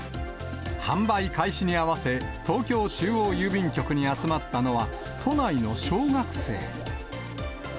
販売開始に合わせ、東京中央郵便局に集まったのは、都内の小学生。